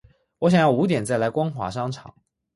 我想要五点再来光华商场